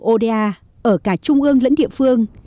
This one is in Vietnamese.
ô đa ở cả trung ương lẫn địa phương